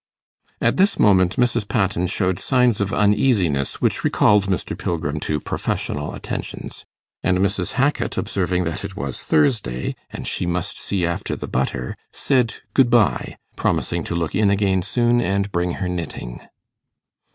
At this moment Mrs. Patten showed signs of uneasiness, which recalled Mr. Pilgrim to professional attentions; and Mrs. Hackit, observing that it was Thursday, and she must see after the butter, said good bye, promising to look in again soon, and bring her knitting.